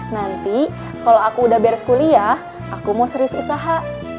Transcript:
nanti kalau aku udah beres kuliah aku mau serius usaha